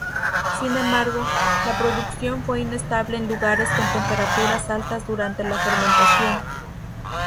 Sin embargo, la producción fue inestable en lugares con temperaturas altas durante la fermentación.